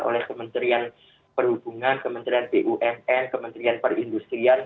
oleh kementerian perhubungan kementerian bumn kementerian perindustrian